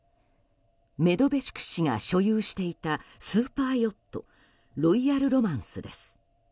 メドベチュク氏が所有していたスーパーヨット「ロイヤル・ロマンス」です。